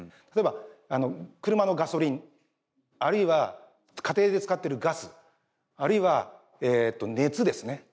例えば車のガソリンあるいは家庭で使ってるガスあるいはえと熱ですね